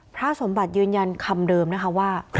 พระสมบัติยืนยันคำเดิมนะคะว่า